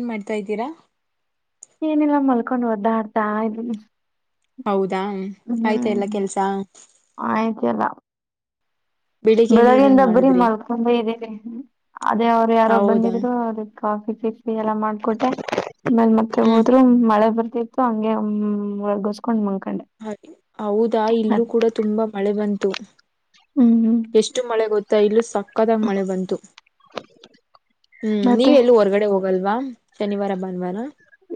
ಏನ್ ಮಾಡ್ತಾ ಇದ್ದೀರಾ. ಏನಿಲ್ಲ ಮಲ್ಕೊಂಡ್ ಓದ್ದಾಡ್ತಾ ಇದೀನಿ. ಹೌದಾ ಆಯ್ತಾ ಎಲ್ಲಾ ಕೆಲ್ಸ. ಆಯ್ತ ಇಲ್ಲ. ಬೆಳಿಗ್ಗೆಯಿಂದ ಏನೇನ್ ಬೆಳಗ್ಗೆಯಿಂದ ಬರಿ ಮಾಡಿದ್ರಿ ಮಲ್ಕೊಂಡೆ ಇದ್ದೀನಿ ಅದೇ ಅವ್ರು ಯಾರೊ ಹೌದಾ ಬಂದಿದ್ರು ಅದು. ಕಾಫಿ ಚಿಫಿ ಎಲ್ಲಾ ಮಾಡ್ಕೊಟ್ಟೆ ಆಮೇಲೆ ಮತ್ತೆ ಹ್ಮ್ ಹೋದ್ರು ಮಳೆ ಬರ್ತಿ. ಹಂಗೆ ರಗಸ್ಕೊಂಡ್ ಮಲ್ಕಂಡೆ. ಹೌದಾ ಇಲ್ಲೂ ಕೂಡ ತುಂಬಾ ಮಳೆ ಬಂತು. ಹ್ಮ್ ಹ್ಮ- ಎಷ್ಟು ಮಳೆ ಗೊತ್ತಾ ಇಲ್ಲೂ ಸಕ್ಕದಾಗ ಮಳೆ ಬಂತು. ಹ್ಮ್ ಮತ್ತೆ ನೀವೆಲ್ಲ ಹೊರ್ಗಡೆ ಹೋಗಲ್ವಾ ಶನಿವಾರ ಭಾನುವಾರ.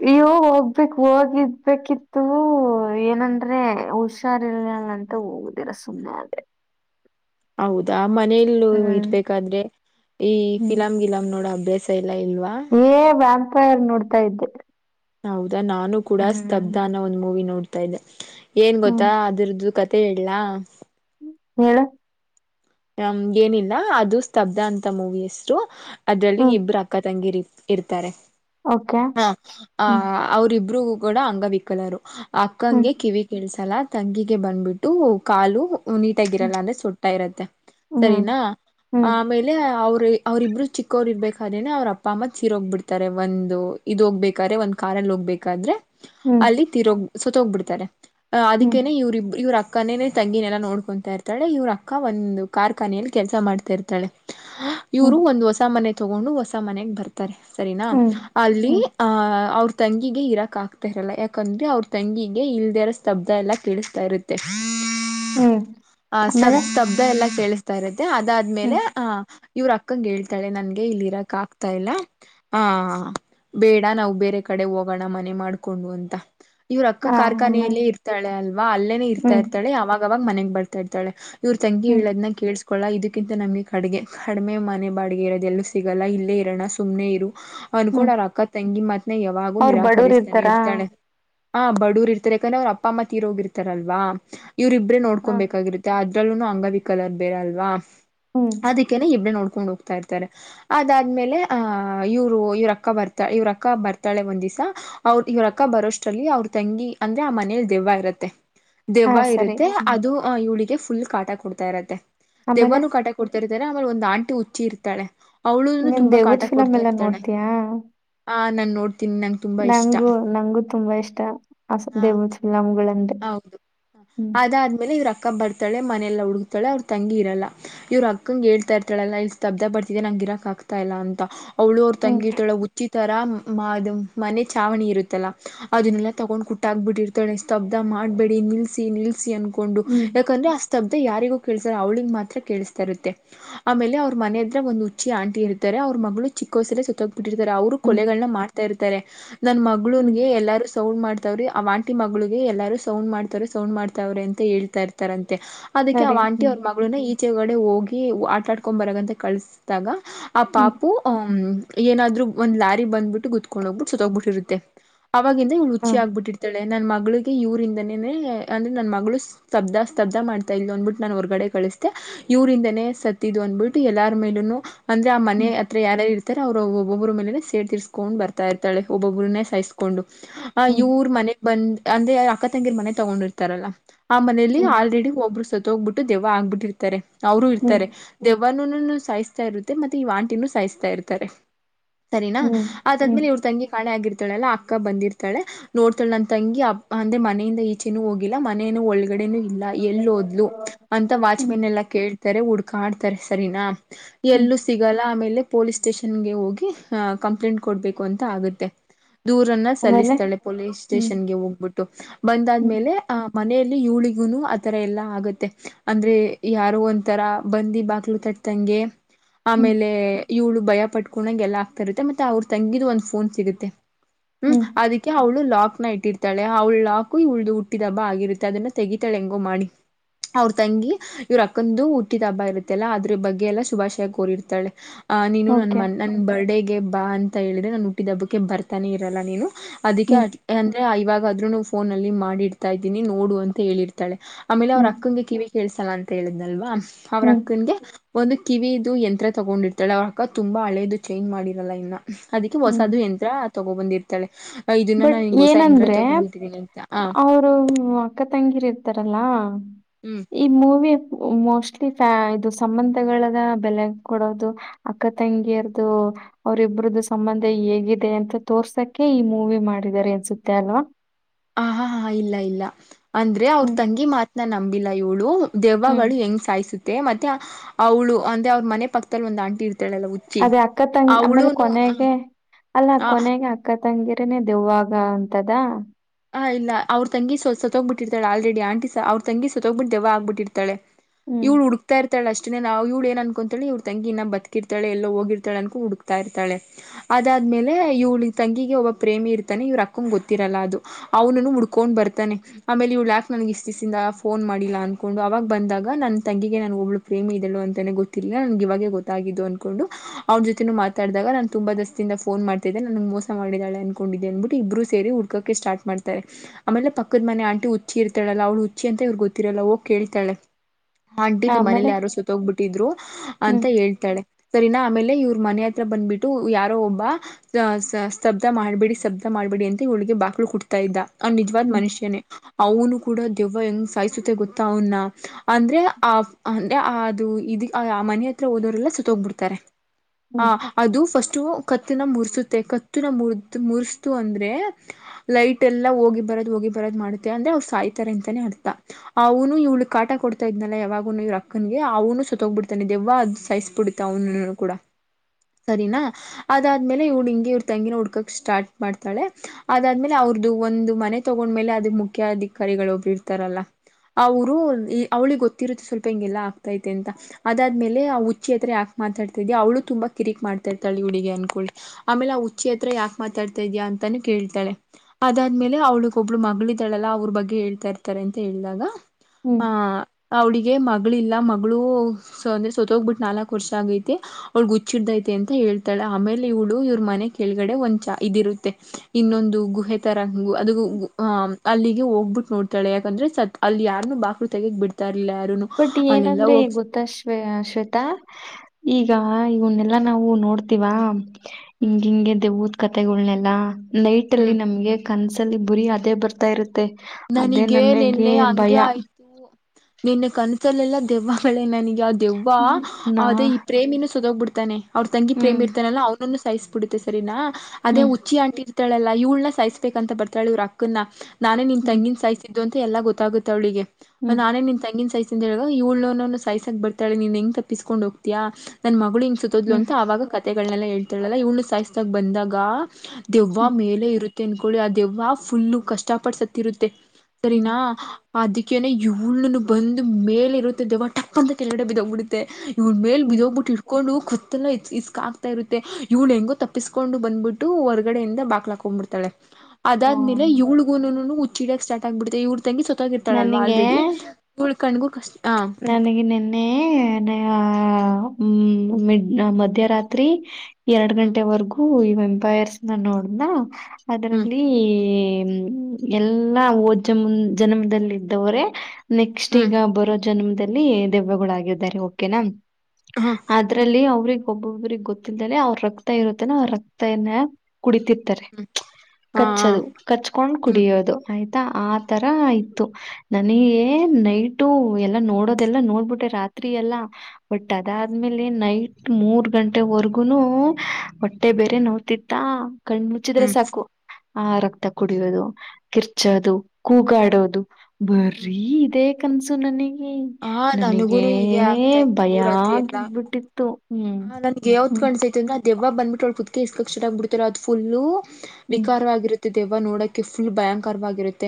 ನೀವೂ ಹೋಗ್ಬೇಕು ಹೋಗಿದ್ಬೇಕಿತ್ತು ಏನಂದ್ರೆ ಹುಷಾರ್ರಿಲಿಲಂತೆ. ಅ ಹೋಗುದಿರ ಸುಮ್ಮನೆ ಅದೆ. ಹೌದಾ ಮನೆಯಲ್ಲೂ ಹ್ಮ್ ಇರ್ಬೇಕಾದ್ರೆ ಈ ಹ್ಮ್ ಫಿಲಂ ಗಿಲಾಮ್ ನೋಡ ಅಭ್ಯಾಸ. [unintelligible] ಇಲ್ವಾ. ಏ ವ್ಯಾಂಪೈರ್ ನೋಡ್ತಾ ಇದ್ದೆ. ಹೌದಾ ನಾನು ಕೂಡ ಸ್ತಬ್ಧ ಹ್ಮ್ ಅನ್ನೋ ಒಂದ್ ಮೂವಿ ನೋಡ್ತಾ ಇದ್ದೆ ಏನ್ ಹ್ಮ್ ಗೊತ್ತಾ ಅದರದ್ದು ಕ. ಎಲ್ಲಾ. ಹೇಳ. ಏನಿಲ್ಲ ಅದು ಸ್ತಬ್ಧ ಅಂತ ಮೂವಿ ಹೆಸರು ಅದ್ರಲ್ಲಿ ಹ್ಮ್ ಇಬ್ರು ಆಗ್ತ. ಅಕ ತಂಗಿರಿ ಇರ್ತಾರೆ ಓಕೆ ಹ ಆ. ಹ್ಮ್ ಅವ್ರಿಬ್ರಗೂ ಕೂಡ ಅಂಗವಿಕಲರು ಹ್ಮ್ ಅಕ್ಕಗೆ ಕಿವಿ. ಕೇಸಲ್ಲ ತಗ್ಂಗಿಗೆ ಬಂದ್ಬಿಟ್ಟು ಕಾಲು ಹ್ಮ್ ನೀಟಾಗಿರಲ್ಲ ಅಂದ್ರೆ ಸುಟ್ಟ ಇರತ್ತೆ. ಹ್ಮ್ ಸರಿನಾ ಹ್ಮ್ ಆಮೇಲೆ. ಅವ್ರರು ಅವ್ರ ಇಬ್ಬರು ಚಿಕ್ಕೋರು ಇರ್ಬೇಕಾದ್ರೇನೆ ಅವ್ರ ಅಪ್ಪ ಅಮ್ಮ ತೀರಿ ಹೋಗ್ಬಿಡ್ತಾರೆ ಒಂದು. ಇದು ಹೋಗ್ಬೇಕಾದ್ರೆ ಒಂದ್ ಕಾರಲ್ಲಿ ಹೋಗ್ಬೇಕಾದ್ರೆ. ಹ್ಮ್ ಅಲ್ಲಿ ತೀರೋಗ ಸತೋಗ್ಬಿಡ್ತಾರೆ ಅ ಹ್ಮ್ ಅದಕ್ಕೇನೆ ಇವ್ರಬ್ ಇವ್ರು. ಅಕ್ಕನೇನೇ ತಂಗಿನೆಲ್ಲಾ ನೋಡ್ಕೊತಾ ಇರ್ತಾಳ ಇವ್ರ ಅಕ್ಕ ಒಂದು ಕಾರ್ಖಾನೆಯಲ್ಲಿ ಕೆಲಸ ಮಾಡ್ತಾ ಇತಾಳೆ. ಇವರು ಹ್ಮ್ ಒಂದ್ ಹೊಸ ಮನೆ ತಗೊಂಡು ಹೊಸ ಮನೆಗ್ ಬರ್ತಾರೆ ಸರಿನಾ ಅಲ್ಲಿ. ಹ್ಮ್ ಆ ಅವ್ರ ತಂಗಿಗೆ ಇರಾಕ್ ಆಗ್ತಾ ಇರಲ್ಲ ಯಾಕಂದ್ರೆ ಅವ್ರ ತಂಗಿಗೆ ಇಲ್ದರೋ ಸ್ತಬ್ದ ಎಲ್ಲ ಕೇಳಿಸ್ತಾ ಇರುತ್ತೆ. ಹ್ಮ್ [unintelligible] ಆ ಆಮೇಲೆ ಸ್ತಬ್ದ ಎಲ್ಲ ಕೇಳಿಸ್ತಾ ಇರುತ್ತೆ ಅದಾದ್ಮೇಲೆ ಹ್ಮ್ ಆಹ. ಇವ್ರ ಅಕ್ಕಂಗಗೆ ಹೇಳ್ತಾಳೆ ನನ್ಗೆ ಇಲ್ಲಿ ಇರಕ್ ಆಗ್ತಾ ಇಲ್ಲ. ಹಾ ಬೇಡ ನಾವು ಬೇರೆ ಕಡೆ ಹೋಗೋಣ ಮನೆ ಮಾಡ್ಕೊಂಡು ಅಂತ. ಇವ್ರ ಅಕ್ಕ ಹ ಆಮೇಲೆ ಕಾರ್ಖಾನೆಯಲ್ಲೇ ಇರ್ತಾಳೆ ಅಲ್ವಾ ಅಲ್ಲೇನೇ ಇರ್ತಾ ಹ್ಮ್ ಇರ್ತಾಳೆ ಅವಾಗವಾಗ ಮನೆಗ್ ಬರ್ತಾ ಇರ್ತಾಳೆ. ಇವ್ರ ತಂಗಿ ಹ್ಮ್ ಹೇಳ. ಸ್ಕೊಳ್ಳಲ್ಲ ಇದಕ್ಕಿಂತ ನಮ್ಗೆ ಕಡ್ಗೆ ಕಡಿಮೆ ಮನೆ ಬಾಡಿಗೆ ಇರೋದೆ ಎಲ್ಲೂ ಸಿಗಲ್ಲ ಇಲ್ಲೇ ಇರೋಣ ಸುಮ್ನೆ ಇರು. ಹ್ಮ್ ಅನ್ಕೊಂಡರ ಅಕ್ಕ ತಂಗಿ ಮಾತ್ನ ಯಾವಾಗೂ ಅವ್ರ ಬಡವರು ನಿರಾಕರಿಸ್ತಾನೆ ಇರ್ತಾರಾ ಇರ್ತಾಳೆ. ಹಾ ಬಡವರ್ ಇರ್ತಾರೆ ಯಾಕಂದ್ರೆ ಅವ್ರ ಅಪ್ಪ ಅಮ್ಮ ತೀರ ಹೋಗಿರ್ತಾರಲ್ವಾ ಇವ್ರ ಇಬ್ರ ಹ ನೋಡ್ಕೊಂಬಬೇಕಾಗಿರ್ತ್ತ. ಮತ್ತೆ ಅದ್ರಲ್ಲೂನು ಅಂಗವಿಕಲರ್ ಬೇರೆ ಅಲ್ವಾ. ಹ್ಮ್- ಅದಕ್ಕೆೇನೆ ಇಬ್ರೆ ನೋಡ್ಕೊಂಡ ಹೋಗತ ಇರ್ತಾರೆ. ಅದಾದ್ಮೇಲೆ ಅ ಇವ್ರು ಇವ್ರಕ್ಕ ಬರ್ತಾ ಇವ್ರಕ್ಕ ಬರ್ತಾಳೆ ಒಂದ ದಿಸ. ಅವ್ರ ಇವ್ರ ಅಕ್ಕ ಬರೋಷ್ಟಲ್ಲಿ ಅವ್ರ ತಂಗಿ ಅಂದ್ರೆ ಆ ಮನೇಲಿ ದೆವ್ವ ಇರತ್ತೆ. ಹಾ ದೆವ್ವ ಸರಿ ಇರುತ್ತೆ ಹ್ಮ್ ಅದು ಇವಳಿಗೆ ಫುಲ್ ಕಾಟ ಕೊಡ್ತಾ ಇರುತ್ತೆ ಆಮೇಲೆ ದೆವ್ವನೂ ಕಾಟ ಕೊಡ್ತಾ ಇರ್ತಾರೆ ಆಮೇಲೆ ಒಂದು ಆಂಟಿ ಹುಚ್ಚಿರ್ತಾಳೆ. ಅವಳುನು ನೀನ್ ತುಂಬಾ ದೇವದ್ ಕಾಟ ಫಿಲಮ್ ಕೊಡ್ತಾ ಎಲ್ಲ ಇರ್ತಾಳೆ ನೋಡ್ತೀಯಾ ಆ ನಾನ ನೋಡ್ತೀನಿ ನಂ ನಂಗೂ ನಂಗೂ ತುಂಬಾ ಇಷ್ಟಾ ಅಸ ಹಾ ದೇವ ಫೀಲಂಗಳು ಅಂದ್ರೆ. ಹೌದು ಅದಾದ್ಮೇಲೆ ಇವ್ರ ಅಕ್ಕ ಬರ್ತಾಳೆ ಮನೆೆಯಲ್ಲಾ ಹುಡುಕ್ತಾಳೆ ಅವ್ರ ತಂಗಿ ಇರಲ್ಲ. ಇವ್ರ ಅಕ್ಕಂಗಗೆ ಹೇಳ್ತಾ ಇರ್ತಾಳಲ್ಲ ಇ ಸ್ತಬ್ದ ಬರ್ತಿದೆ ನಂಗೆ ಗಿರಕ್ ಆಗ್ತಾ ಇಲ್ಲ ಅಂತ. ಅವಳು ಅವ್ರು ಹ್ಮ್ ತಂಗಿ ಇರ್ತಾಳೆ ಹುಚ್ಚಿ ತರಾ ಅದು ಮನೆ ಚಾವಣಿ ಇರುತ್ತಲ್ಲಾ ಅದನ್ನೆಲ್ಲ ತಗೊಂಡ್ ಕುಟ್ಟಕ್ಬಿಟ್ಟಿರ್ತ. ತಬ್ದ ಮಾಡ್ಬೇಡಿ ನಿಲ್ಸಿ ನಿಲ್ಸಿ ಅನ್ಕೊಂಡು ಹ್ಮ್ ಯಾಕಂದ್ರೆ ಅಷ್ಟ ಸ್ತಬ್ಧ ಯಾರಿಗೂ ಕೇಳಸಲ್ಲ ಅವ್ಳಿಗೆ ಮಾತ್ರ ಕೇಳಿಸ್ತಾ ಇರುತ್ತೆ. ಆಮೇಲೆ ಅವ್ರ ಮನೆ ಹತ್ರಾ ಒಂದು ಹುಚ್ಚಿ ಆಂಟ ಇತಾರೆ ಅವ್ರ ಮಗಳು ಚಿಕ್ಕೋಸ್ಸಲೇ ಸುತ್ತ ಹೋಗ್ ಬಿಟ್ಟಿರ್ತಾರೆ ಅವರು ಹ್ಮ್ ಕೊಲೆಗಳನ್ನ ಮಾಡ್ತಾ ಇರ್ತಾರೆ ನನ್ ಹ್ಮ್ ಮಗಳನ್ಗೆ ಎಲ್ಲಾರೂ ಸೌಂಡ್ ಮಾಡ್ ವ್ರಿ ಅವ ಆಂಟಿ ಮಗಳಿಗೆ ಎಲ್ಲಾರೂ ಸೌಂಡ್ ಮಾಡ್ತವ್ರೆ ಸೌಂಡ್ ಮಾಡ್ತವ್ರೆ ಅಂತ ಹೇಳ್ತಾ ಇರ್ತಾರಂತೆ. ಅದಕ್ಕೆ ಸರಿ ಅವ ಆಂಟಿ ಹ್ಮ್ ಅವ್ರ ಮಗಳನ್ನ ಈಚೆಗಡೆ ಹೋಗಿ ಆಟ ಆಡ್ಕೊ ಬರಗಂತ ಕಳಸಿದಾಗ. ಆ ಹ್ಮ್ ಪಾಪು ಅಂ ಏನಾದ್ರು ಒಂದ್ ಲಾರಿ ಬಂದ್ಬಿಟ್ಟು ಗೂತ್ಕೊಂಡ್ ಹೋಗ್ಬಿಟ್ಟು ಸತೋಗ್ಬಿಟ್ಟಿರುತ್ತೆ. ಅವವಾಗಿಂದ ಇವಳ ಹ ಆಗ್ಬಿಟ್ಟಿರ್ತಳ ನನ ಮಗಳಿಗೆ ಕ ಇವರಿಂದನೇ ಅಂದ್ರರೆ ನನ್ನ ಮಗಳು ಸ್ತಬ್ಧ ಸ್ತಬ್ಧ ಮಾಡ್ತಾ ಇಲ್ಲು ಅಂದ್ಬಿಟ್ಟು ನಾನು ಹೊರಗಡೆ ಕಳಿಸ್ದೆ. ಇವರಿಂದನೇ ಸತ್ತಿದು ಅಂದಬಿಟ್ಟು ಎಲ್ಲಾರ ಮೇಲೂನು ಅಂದ್ರೆ ಆ ಮನೆ ಹ್ಮ್ ಹತ್ರ ಯಾರ ಇರ್ತ ರ ಅವರು ಒಬ್ಬೊಬ್ಬ್ರ ಮೇಲೆನೆ ಸೇರ್ ತಿರ್ಸ್ಕೊಂಡು ಬರ್ತಾ ಇರ್ತಾಳೆ ಒಬ್ಬೊಬ್ನ್ನೇ ಸಾಯಿಸ್ಕೊಂಡು. ಆ ಹ್ಮ್ ಇವ್ರ ಮನೆ ಬಂದ್ ಅಂದ್ರೆ ಅಕ್ಕ ತಂಗಿರ್ ಮನೆ ತಗೊಂಡಿರ್ತಾರಲ್ಲ. ಆ ಮನೆಯಲ್ಲಿ ಹ್ಮ್ ಆಲ್ರೆಡಿ ಒಬ್ರು ಸತ್ ಹೋಗ್ಬಿಟ್ಟು ದೇವ ಆಗ್ಬಿಟ್ಟಿರ್ತಾರೆ ಅವರು ಹ್ಮ್ ಇರ್ತಾರೆ. ದೆವ್ನನು ಸಾಯಿಸ್ತಾ ಇರುತ್ತೆ ಮತ್ತೆ ಈ ಆಂಟಿನೂ ಸಾಯಿಸ್ತಾ ಇರ್ತಾರೆ. ಸರಿನಾ ಹ್ಮ್ ಹ್ಮ್ ಅದಾದ್ಮೇಲೆ ಇವ್ರ ತಂಗಿ ಕಾಣೆ ಆಗಿರ್ತಾಳೆಲ್ಲಾ ಅಕ್ಕ ಬಂರ್ದಿತಾಳೆ ನೋಡ್ತಾಳೆ ನನ್ನ ತಂಗಿ ಅ ಅಂದ್ರೆ ಮನೆಯಿಂದ ಈಚೆನೂ ಹೋಗಿಲ್ಲ ಮನೇನು ಒಳಗಡೊನು‌ ಇಲ್ಲ. ಎಲ್ಲ ಹೋದ್ಲು ಅಂತ ಹ್ಮ್ ವಾಚ್ಮೆನ್ ಎಲ್ಲಾ ಕೇಳ್ತಾರೆ ಹುಡ್ಕಾ ಆಡ್ತಾರೆ ಸರಿನಾ. ಹ್ಮ್ ಎಲ್ಲೂ ಸಿಗಲ್ಲ ಆಮೇಲೆ ಪೊಲೀಸ್ ಸ್ಟೇಷನ್ಗೆ ಹೋಗಿ ಅಹ ಕಂಪ್ಲೇಂಟ್ ಕೊಡ್ಬೇಕು ಅಂತ ಆಗತ್ತೆ. ದೂರನ್ನ ಆಮೇಲೆ ಸಲ್ಲಿಸ್ತಾಳೆ ಪೊಲೀಸ್ ಹ್ಮ್ ಸ್ಟೇಷನ್ಗೆ ಹೋಗ್ಬಿಟ್ಟು ಹ್ಮ್ ಬಂದಾದ್ಮೇಲೆ. ಆ ಮನೆಯಲ್ಲಿ ಇವಳಿಗೂನು ಆತರ ಎಲ್ಲ ಆಗುತ್ತೆ ಅಂದ್ರೆ ಯಾರೋ ಒಂಥರ ಬಂದಿ ಬಾಕ್ಲು ತಟ್ಟ ತಂಗೆ. ಹ್ಮ್ ಆಮೇಲೆ ಇವಳು ಭಯ ಪಟ್ಕೊಂಡಾಗ ಎಲ್ಲ ಆಗ್ತಾ ಇರುತ್ತೆ ಮತ್ತೆ ಅವರು ತಂಗಿದ್ ಒಂದ್ ಫೋನ್ ಸಿಗುತ್ತೆ. ಹ್ಮ್ ಅದಕ್ಕೆ ಅವಳು ಲಾಕ್ನ ಇಟ್ಟಿರ್ತಾಳೆ. ಅವ್ಳ ಲಾಕು ಇವ್ಳದ ಹುಟ್ಟಿದ ಹಬ್ಬ ಆಗಿರುತ್ತೆ ಅದನ್ನ ತೆಗೀತಳ ಹೆಂಗೋ ಮಾಡಿ. ಅವ್ರ ತಂಗಿ ಇವ್ರ ಅಕ್ಕಂದು ಹುಟ್ಟಿದ ಹಬ್ಬಾ ಇರತ್ತಲ್ಲ ಅದ್ರ ಬಗ್ಗೆ ಎಲ್ಲಾ ಶುಭಾಶಯ ಕೋರಿರ್ತಾಳೆ. ಅಹ ನೀನು ನನ್ ಓಕೆ ಮ ನನ್ ಬರ್ಡೇಗೆ ಬಾ ಅಂತ ಹೇಳಿದ್ರೆ ನನ್ ಹುಟ್ಟಿದ ಹಬ್ಬಕ್ಕೆ ಬರ್ತಾನೆ ಇರಲ್ಲ ನೀನು. ಅದಕ್ಕೆ ಅ ಹ್ಮ್ ಅಂದ್ರೆ ಇವಾಗಾದ್ನು ಫೋನ್ ಅಲ್ಲಿ ಮಾಡಿಡ್ತಾ ಇದ್ದೀನಿ ನೋಡು ಅಂತ ಹೇಳಿರ್ತಾಳೆ. ಆಮೇಲೆ ಅವ್ರ ಹ್ಮ್ ಅಕ್ಕನ್ಗೆ ಕಿವಿ ಕೇಳಸಲ್ಲ ಅಂತ ಹೇಳಿದ್ಲ್ವಾ ಅವ್ರ ಹ್ಮ್ ಅಕ್ಕನ್ಗೆ. ಒಂದು ಕಿವಿದು ಯಂತ್ರ ತಗೊಂಡಿರ್ತಾಳೆ ಅವ ಅಕ್ಕ ತುಂಬಾ ಹಳೆದು ಚೈಂಜ್ ಮಾಡಿರಲ್ಲ ಇನ್ನ. ಅದಕ್ಕೆ ಹ್ಮ್ ಹೊಸದು ಯಂತ್ರ ತಗೋ ಬಂದಿರ್ತಾಳೆ ಇದನ್ನ ನಾನ್ ಹಿಂಗ್ ಹೊಸ ಯಂತ್ರ ದ್ರೆ ತಗೊಂಡಿದ್ದೀನಿ ಅಂತ ಹ ಅವರು ಅಕ್ಕ ತಂಗಿರಿ ಇರ್ತಾರಲ್ಲ. ಹ್ಮ್. ಈ ಮೂವಿ ಮೋಸ್ಟ್ಲಿಫ ಇದು ಸಂಬಂಧಗಳದ ಬೆಲೆ ಕೊಡೋದು. ಅಕ್ಕ ತಂಗಿಯರದು ಅವ್ರ ಇಬ್ಬರದೂ ಸಂಬಂಧ ಹೇಗಿದೆ ಅಂತ ತೋರ್ಸಕ್ಕೆೆ ಈ ಮೂವಿ ಮಾಡಿದ್ದಾರೆ ಅನ್ಸುತ್ತೆ ಅಲ್ವಾ. ಹ ಹಾ ಹಾ ಇಲ್ಲ ಇಲ್ಲ ಅಂದ್ರೆ ಅವ್ರ ಹ್ಮ್ ತಂಗಿ ಮಾತ್ನ ನಂಬಿಲ್ಲ ಇವಳು. ಹ್ಮ್ ದೆವ್ವಗಳು ಹೆಂಗ್ ಸಾಯಿಸುತ್ತೆ ಮತ್ತೆ ಅವ್ಳು ಅಂದೆ ಅವ್ರ ಮನೆ ಪಕ್ಕದಲ್ಲಿ ಒಂದಂದು ಆಂಟಿ ಇರ್ತಾಳೆಲ್ಲ ಅದೇ ಅಕ್ಕ ತಂಗಿ ಆಮೇಲೆ ಕೊನೆಗೆ ಅಲ್ಲ ಆ ಕೊನೆಗೆ ಅಕ್ಕ ಅಕ್ಕ ತಂಗಿರನೇ ದೆವ್ವಾ ಆಗೋ ಅಂತದ. ಹಾ ಇಲ್ಲ ಅವ್ರ ತಂಗಿ ಸ ಸತ್ತೋಗ ಹೋಗ್ಬಿಟ್ಟಿರ್ತಾಳ ಆಲ್ರೆಡಿ ಆಂಟಿ ಸ ಅವ್ರ ತಂಗಿ ಸತ್ತೋಗ ಹೋಗ್ಬಿಟ್ಟುವ್ ಆಗ್ಬಿಟ್ಟಿತಳೆ. ಹ್ಮ್ ಇವ್ಳ ಹು ಹತ ಇತಳೆ ಅಷ್ಟೇ ನಾವು ಇವಳ ಏನ ಅನ್ಕೊಂತಾಳೆ ಇವ್ರ ತಂಗಿ ಇನ್ನ ಬದ್ಕಿರ್ತಾಳೆ ಎಲ್ಲೊ ಹೋಗಿತಾಳನ್ಕೊಂಡ ಹುಡ್ತಾ ಇರ್ತಳೆ. ಅದಾದ್ಮೇಲೆ ಇವ್ಳಿಗೆ ತಂಗಿಗೆ ಒಬ್ಬ ಪ್ರೇಮಿ ಇರ್ತಾನೆ ಇವ್ರ ಅಕ್ಕಂಗ್ ಗೊತ್ತಿರಲ್ಲ ಅದು. ಅವನುನು ಉಡ್ಕೊಂಡ್ ಬರ್ತಾನೆ. ಆಮೇಲೆ ಇವಳ ಯಾಕ್ ನನ್ಗೆ ಇಷ್ಟ ದಿಸದಿಂದ ಫೋನ್ ಮಾಡಿಲ್ಲ ಅನ್ಕೊಂಡು ಅವಾಗ ಬಂದಾಗ ನನ್ ತಂಗಿಗೆ ನನ್ ಒಬ್ಳು ಫೇಮ ಇದಳು ಅಂತಲೇ ಗೊತ್ತಿಲ್ಲ ನನಗೆ ಇವಾಗೇ ಗೊತ್ತಾಗಿದ್ದು ಅಂದ್ಕೊಂಡು. ಅವ್ರ ಜೊತೆನು ಮಾತಾಡಾಗ ನಾನ್ ತುಂಬಾ ದಸ್ತಿಿಂದಫೋನ್ ಮಾಡ್ತಿದ್ದೆ ನನನ್ ಮೋಸ ಮಾಡಿದ್ದಾಳೆ ಅನ್ಕೊಂಡಿದ್ದೆ ಅನ್ಬಿಟ್ಟು ಇಬ್ಬರು ಸೇರಿ ಹುಡ್ ಕೊಕೆ ಸ್ಟಾರ್ಟ್ ಮಾಡ್ತಾರೆ. ಆಮೇಲೆ ಪಕ್ಕದ ಮನೆ ಆಂಟಿ ಹುಚ್ಚಿ ಇರ್ತಾಳಲ್ಲ ಅವಳ ಹುಚ್ಚಿ ಅಂತ ಇವ್ ಗೊತ್ತಿರಲ್ಲ ಹೋಗ ಕೇಳ್ತಾಳೆ. ಆಂಟಿ ನಿಮ್ ಆಮೇಲೆ ಮನೇಲಿ ಯಾರು ಸತ್ತೋಗ್ಬಿಟ್ಟಿದ್ರು ಹ್ಮ್ ಅಂತ ಹೇಳ್ತಾಳೆ. ಸರಿನಾ ಆಮೇಲೆ ಇವ್ರ ಮನೆ ಹತ್ರ ಬಂದ್ಬಿಟ್ಟು ಯಾರೋ ಒಬ್ಬ ಅ ಸ್ತಬ್ಧ ಮಾಡ್ಬೇಡಿ ಸ್ತಬ್ಧ ಮಾಡ್ಬೇಡಿ ಅಂತ ಇವಳಿಗೆ ಬಾಕ್ಲು ಕು [unintelligible] ಅವ್ ನಿಜವಾದ್ ಹ್ಮ್ ಮನುಷ್ಯನೇ. ಅವನು ಕೂಡ ದೆವ್ವ ಹೆಂಗ್ ಸಾಯಿಸುತ್ತೆ ಗೊತ್ತ ಅವನ್ನ ಅಂದ್ರೆ ಆ ಅದು ಇ ಆ ಆ ಮನೆ ಹತ್ರ ಹೋದೋರೆಲ್ಲ ಸುತ್ತೋಗ್ಬಿಡ್ತಾರೆ ಆ ಹ್ಮ್ ಅದು ಫಸ್ಟು ಕತ್ತನ ಮುರ್ಸುತ್ತೆ ಕತ್ತನ ಮುರ ಮುರಿಸಸ್ತು ಅಂದ್ರೆ. ಲೈಟ್ ಎಲ್ಲ ಹೋಗಿ ಬರೋದ್ ಹೋಗಿ ಬರೋದು ಮಾಡುತ್ತೆ ಅಂದ್ರೆ ಅವ್ರ ಸಾಯ್ತಾರೆ ಅಂತಾನೇ ಅರ್ಥ. ಅವ್ನು ಇವ್ಳಗ್ ಕಾಟ ಕೊಡ್ತಾ ಇದ್ನಲ್ಲ ಯಾವಾಗನು ಇವರ್ ಅಕ್ಕನ್ಗೆ ಅವ್ನು ಸತ್ತ ಹೋಗ್ಬ ಬಿಡ್ತಾನೆ ದೆವ್ವ ಅಡ ಸಾಯ್ಸಿ ಬಿಡ್ ತ್ತೆ ಆವ್ನುನು ಕೂಡ. ಸರಿನಾ ಅದಾದ್ಮೇಲೆ ಇವ್ಳು ಹಿಂಗೆ ಇವ್ರ ತಂಗಿನ ಹುಡ್ಕಕ್ ಸ್ಟಾರ್ಟ ಮಾಡ್ತಾಳೆ ಅದಾದ್ಮೇಲೆ. ಇಲ್ಲಾ ಅವ್ರ್ದು ಒಂದು ಮನೆ ತಗೊಂಡ್ಮೇಲೆ ಅದಕ್ ಮುಖ್ಯಾ ಅಧಿಕಾರಿಗಳು ಒಬ್ರು ಇರ್ತಾರಲ್ಲ. ಅವರು ಈ ಅವಳಿಗೆ ಗೊತ್ತಿರುತ್ತೆ ಸ್ವಲ್ಪ ಹಿಂಗೆಲ್ಲ ಆಗತೈತೆ ಅಂತ. ಅದಾದ್ಮೇಲೆ ಆ ಹುಚ್ಚಿ ಹತ್ರ ಯಾಕ್ ಮಾತಾಡ್ತಿದವಿ ಅವಳು ತುಂಬ ಕಿರಿಕ್ ಮಾಡ್ತಾರ್ತಾಳಿ ಇವಳಿಗೆ ಅನ್ಕೊಳ್ಳಿ. ಆಮೇಲೆ ಆ ಹುಚ್ಚಿ ಹತ್ರ ಯಾಕ್ ಮಾತಾಡ್ತಾ ಇದ್ಯಾ ಅಂತಾನ ಕೇಳ್ತಾಳೆ. ಅದಾದ್ಮೇಲೆ ಅವ್ಳಗ ಒಬ್ಳು ಮಗಳ ಇದ್ದಾಳಲ್ಲ ಅವ್ರ ಬಗ್ಗೆ ಹೇಳ್ತಾ ಇರ್ತಾರೆ ಅಂತ ಹೇಳಿದಾಗ. ಹ್ಮ್ ಹಾ. ಅವಳಿಗೆ ಮಗಳಿಲ್ಲ ಮಗಳು ಅಂದ್ರೆ ಸತ ಹೋಗ್ಬಿಟ್ಟು ನಾಲ್ಕ್ ವರ್ಷ ಆಗೈತಿ. ಅವಳ ಹುಚ್ಚಿಡದೈತೆ ಅಂತ ಹೇಳ್ತಾಳೆ ಆಮೇಲೆ ಇವಳು ಇವ್ರ ಮನೆ ಕೆಳಗಡೆ ಒಂದ್ ಚಾ ಇದ ಇರುತ್ತೆ ಇನ್ನೊಂದು ಗು ತರ ಅದು ಅಲ್ಲಿಗೆ ಹೋಗ್ಬಿಟ್ಟ ನೋ ತಳ ಯಾಕಂದ್ರೆ ಅಲ್ಲಿ ಯಾರು ಬಾಕ್ಲು ತಗಿ ಬಿಡ್ತ ಇಲಿಲ್ಲ ಯಾರುನು. ಬಟ್ ಅಲ್ಲೆಲ್ಲಾ ಏನಂದ್ರೆ ಹೋಗ್ ಗೊತ್ತಷ್ಟ ಶ ಶ್ವೇತಾ ಈಗ ಇವನ್ನೆಲ್ಲಾ ನಾವು ನೋಡ್ತಿವಾ. ಹ್ಮ್ ಹಿಂಗೆ ಹಿಂಗೆ ದೇವ್ವದ ಕತೆಗಳನೆೆಲ್ಲ ನೈಟ್ ಹ್ಮ್ ಅಲ್ಲಿ ನಮ್ಗೆ ಕನ್ಸಲ್ಲಿ ಬರಿ ಅದೇ ಬರ್ತಾ ಇರುತ್ತೆ ಅದೇ ನನಗೆ ಭಯ. [inaudible] ನಿನ್ನೇ ಕನಸಲೆೆಲ್ಲ ದೆವ್ವಗಳೇ ನನಗೇ ಅದ್ ದೆವ್ವ ಹ್ಮ್, ನಾ ಅದೇ ಈ ಪ್ರೇಮಿನು ಸದೋಗ್ ಬಿಡ್ತಾನೆ ಅವ್ರ ತಂಗಿ ಪ್ರೇಮಿ ಹ್ಮ್ ಇರ್ತಾನಲ್ಲ ಅ [unintelligible] ಸಹಿಸ್ ಬಿಡುತ್ತೆ ಸರಿನಾ ಅದೇ ಹ್ಮ್ ಹು ಹುಚ್ಚಿ ಆಂಟಿ ಇರ್ತಾಳಲ್ಲ ಇವಳ್ನ ಸಾಯಿಸ್ಬೇಕ್ಂತ ಬತಾಳ ಇವ್ರ ಅಕ್ಕನ ನಾನೇ ನಿಮ್ ಹ್ಮ್ ತಂಗಿನ ಸಾಯ- ಇದು ಅಂತ ಎಲ್ಲಾ ಗೊತ್ತಾಗುತ್ತೆ ಅವಳಿಗೆ ಹ್ಮ್ ನಾನೇ ನಿನ್ ತಂಗಿನ ಸೈ [unintelligible] ಇವಳುನು ಸೈಸಕ್ ಬತಾಳ ನೀನ್ ಹೆಂಗ್ ತಪ್ಪಿಸಕೊಂಡ್ ಹೋಗ್ತಿಯಾ ನನ್ ಮಗಳು ಹಿಂಗ್ ಹ್ಮ್ ಸ್ [inaudible] ಅವಾಗ ಕತೆಗಳನೆಲ್ಲ ಹೇಳ್ತಾಳಲ್ಲ ಇವಳ್ನ ಸಾಯಿಸ್ತಾಗ ಬಂದಾಗ ದೆವ್ವ ಹ್ಮ್ ಹ್ಮ್ ಮೇಲೆ ಇರುತ್ ತಿನ್ಕೊಳ್ಳಿ ಅ ದೆವ್ವ ಫುಲ್ಲು ಕಷ್ಟ ಪಟ್ಟು ಸತ್ತಿರುತ್ತೆ ಸರಿನಾ ಹ್ಮ್ ಅದಕ್ಕೆನೆ ಯುನೂನೂ ಬಂದು ಮೇಲೆ ಇರುತ್ತ ದೇವ್ವ ಟಪ್ಪ ಅಂತ ಕೆಳಗಡೆ ಬಿದ್ಹೋಗ್ಬಿಡುತ್ತೆ ಯೂನ್ ಮೇಲೆ ಹ್ಮ್ ಬಿಧೋಗ್ಬಿಟ್ ಇರ್. ಹಕೊಂಡು ಕುತ್ತಲ್ಲ ಇಚ್ ಇಚ್ಕಾ ಆಗ್ತಾ ಇತ್ತೆ ಇವಳು ಹೆಂಗ ತಪ್ಪಿಸಕೊಂಡು ಬಂದ್ಬಿಟ್ಟು ಹೊರ್ಗಡೆಯಿಂದ ಬಾಕ್ಲ ಹಾಕೊಂಡ್ಬಿಡ್ ತ್ತಾಳೆ ಆ, ಅದಾದ್ಮೇಲೆ ಇವಳಳ್ಗುನು ಹುಚ್ಚಿಡಕ್ ಸ್ಟಾರ್ಟ್ ಆಗ್ಬಿಡ್ತೆ ಇವರ್ ತಂಗಿ ಸತ್ತೋಗ್ ಇರ್ತಳಲ್ವ ಆಲ್ರೆಡಿ. ನನಗೆ ಉಳ್ಕೊಂಡ್ಗು ಕಷ್ ಹಾಂ ನನಗೆ ನಿನ್ನೆ ನ ಅ ಹ್ಮ್ ಮಧ್ಯರಾತ್ರಿ ಎರಡ್ ಹ ಹ್ಮ್ ಗಂಟೆವರೆಗೂ ಈ ವೆಂಪೈರ್ಸ್ನ ನೋಡ್ನಾ ಹ್ಮ್ ಆದ್ರಲ್ಲಿ ಎಲ್ಲಾ ಹೋದ್ ಜನ್ಮಮುನ್ ಜನ್ಮದಲ್ಲ್ದಅವರೇ ನೆಕ್ಸ್ಟ್ ಹ್ಮ್ ಈಗ ಬರೋ ಜನ್ಮದಲ್ಲಿ ದೆವ್ವಗಳಾಗಿದ್ದಾರೆ ಓಕೆನಾ ಹಾಂ ಅದ್ರಲ್ಲಿ ಅವ್ರಗ್ ಒಬ್ಬೊಬ್ರಿಗ್ ಗೊತ್ತಲ್ದೇ ಅವ್ರ ರಕ್ತ ಇರುತ್ತೇನ ಅವರ್ ರಕ್ತನ ಕುಡಿತಿರ್ತಾರೆ ಹ್ಮ್ ಹಾ ಕಚ್ಚೋದು ಕಚ್ಕೊಂಡ್ ಹ್ಮ್ ಕುಡಿಯೋದು ಆಯ್ತಾ ಆ ತರ ಇತ್ತು ನನಗೆ ನೈಟು ಎಲ್ಲಾ ನೋಡೋದೆಲ್ಲಾ ನೋಡ್ಬಿಟೆ ರಾತ್ರಿ ಎಲ್ಲಾ ಬಟ್ ಅದಾದ್ಮೇಲೆ ಲೆ ನೈಟ್ ಮೂರ್ ಗಂಟೆವರೆಗುನು ಹೊಟ್ಟೆ ಬೇರೆ ನೋವ್ತಿತ್ತಾ ಕಣ್ ಮುಚ್ಚಿದ್ರೆ ಹ್ಮ್ ಸಾಕು ಆ ರಕ್ತ ಕುಡಿಯೋದು ಕಿರ್ಚೋದು ಕೂಗಾಡೋದು ಹ್ಮ್ ಬರಿ ಇದೇ ಕನಸ್ಸು ನನಿಗೆ ಆ ನನಗೇ ನನಗೂನು ಹೀಗೆ ಆಗ್ತಾ ಭಯ ಇತ್ತು ರಾತ್ರಿ ಎಲ್ಲಾ ಆಗ್ಬಿಟ್ಟಿತ್ತು ಹ್ಮ್ ಆ ನನ್ಗೆ ಯಾವ್ದ್ ಹ್ಮ್ ಕಾಣ್ಸೈತೆ ಅಂದ್ರೆ ಆ ದೆವ್ವ ಬಂದಬಿಟ್ಟುಳ ಕುತ್ಕೆ ಎಸ್ಕಕ್ಷ ಆಗಿ ಬಿಡ್ತಾರ ಅದು ಫುಲ್ಲು ವಿಕಾರವಾಗಿರುತ್ತೆ ದೆವ್ವ ನೋಡಕ್ಕೆ ಫುಲ್ ಭಯಂಕರವಾಗಿರುತ್ತೆ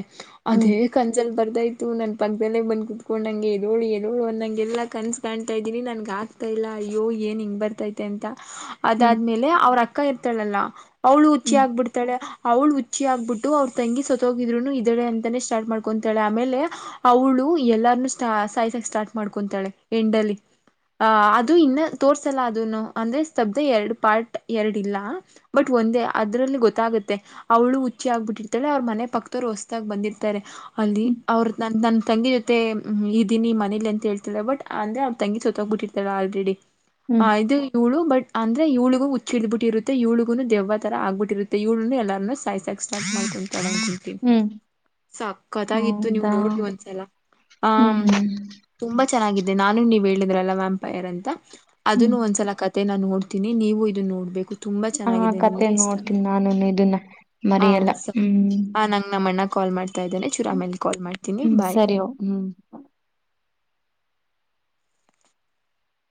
ಹ್ಮ್ ಅದೇ ಕನ್ಸಲ್ಲಿ ಬರ್ತಾಯಿತ್ತು ನನ್ನ ಪಕ್ಕದಲ್ಲೇ ಬಂದು ಕುತ್ಕೊಂಡ ಹಂಗೆ ಎದೋಳು ಎದೋಳು ಅಂದಂಗೆಲ್ಲ ಕನ್ಸು ಕಾಣ್ತಾ ಇದ್ದೀನಿ ನನಗೆ ಆಕ ತೈಲ ಅಯ್ಯೋ ಈ ಏನ್ ಹಿಂಗ್ ಬರ್ತೈತೆ ಅಂತ ಹ್ಮ್ ಹ್ಮ್ ಅದಾದ್ಮೇಲೆ ಅವ್ರ ಅಕ್ಕ ಇರ್ತಾಳಲ್ಲ ಅವ್ಳು ಹುಚ್ಚಿ ಹ್ಮ್ ಆಗ್ಬಿಡ್ತ ಅವಳು ಹುಚ್ಚಿ ಆಗ್ಬಿಟ್ಟು ಅವ್ರು ತಂಗಿ ಸತ್ ಹೋಗಿದ್ರು ಇದ್ದಳೆ ಅಂತಾನೇ ಸ್ಟಾರ್ಟ್ ಮಾಡ್ಕೊತಾಳೆ ಆಮೇಲೆ ಅವಳು ಎಲ್ಲಾರ್ನು ಸ್ಟಾ ಸಾಯ್ಸಾಕ್ ಸ್ಟಾರ್ಟ್ ಮಾಡ್ಕೊತಾಳೆ ಎಂಡ್ ಅಲ್ಲಿ ಅಹ ಅದು ಇನ್ನ ತೋರ್ಸಲ್ಲ ಅದನು ಅಂದ್ರೆ ಸ್ತಬ್ಧ ಎರಡ್ ಪಾರ್ಟ್, ಎರಡ್ ಇಲ್ಲ ಬಟ್ ಒಂದೇ ಅದ್ರಲ್ಲಿ ಗೊತ್ತಾಗುತ್ತೆ ಅವ್ಳು ಹುಚ್ಚಿ ಆಗ್ಬಿಟ್ಟಿತಳೆ ಅವ್ರ ಮನೆ ಪಕ್ತದವರ್ ಹೊಸದಾಗ ಬಂದಿರ್ತಾರೆ ಅಲ್ಲಿ ಹ್ಮ್ ಅವ್ರ ನ ನನ್ ತಂಗಿ ಜೊತೆ ಇದ್ದೀನಿ ಮನೇಲಿ ಅಂತ ಹೇಳ್ತಾಲೆ ಬಟ್ ಅಂದ್ರೆ ಅವ್ ತಂಗಿ ಸತೋಗ್ಬಿಟ್ಟಿ ಆಲ್ರೆಡಿ ಹ್ಮ್ ಹಾಂ ಇದು ಇವ್ಳು ಬಟ್ ಅಂದ್ರೆ ಇವ್ಳುಗೂ ಹುಚಬಿಟ್ಟಿರುತ್ತೆ ಇವ್ಳುಗೂನು ದೆವ್ವ ತರ ಆಗ್ಬಿಟ್ಟಿರುತ್ತೆ ಇವ್ಳುನೂ ಎಲ್ಲರೂ ಸಾಯಿಸಕ್ [inaudible] ಹ್ಮ್ ಸಕತಾಗಿತ್ತು ನೀವು ಹೌದಾ ನೋಡಿ ಒಂದ್ಸಲ ಹಾಂ ಹ್ಮ್ ತುಂಬಾ ಚೆನ್ನಿಗಿದೆ ನಾನು ನೀವ್ ಹೇಳಿದ್ರಲ್ಲ ಮ್ಯಾಮ್ ಎಂಪಾಯರ್ ಅಂತ ಹ್ಮ್ ಅದನ್ನು ಒಂದ್ಸಲ ಕಥೆ ಎ ನೋಡ್ತೀನಿ ನೀವು ಇದನ್ನು ನೋಡ್ಬೇಕು ತುಂಬಾ ಆ ಚೆನ್ನಾಗಿದೆ ಕತೆ ನಿಮ್ಗೆ ಇಷ್ಟ ನೋಡ್ತೀನಿ ಆಗುತ್ತೆ ನಾನು ಇದನ್ನ ಹಾಂ ಮರಿಯಲ್ಲ ಸರಿ ಹ್ಮ್ ಹಾಂ ನಂಗೆ ನಮ್ ಅಣ್ಣ ಕಾಲ್ ಮಾಡ್ತಾ ಇದ್ದಾನೆ ಚೂರು ಆಮೇಲೆ ಕಾಲ್ ಮಾಡ್ತೀನಿ ಹ್ಮ್ ಬಾಯ್ ಸರಿ ಹ್ಮ್